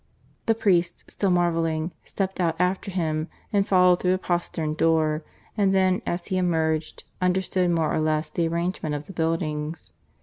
The priest, still marvelling, stepped out after him, and followed through a postern door; and then, as he emerged, understood more or less the arrangement of the buildings.